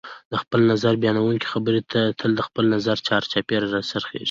د خپل نظر بیانونکي خبرې تل د خپل نظر چار چاپېره راڅرخیږي